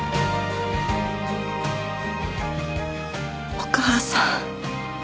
お母さん。